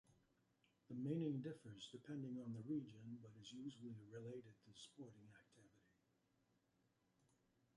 The meaning differs depending on the region, but is usually related to sporting activity.